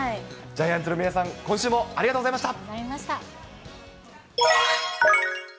ジャイアンツの皆さん、ありがとうございました。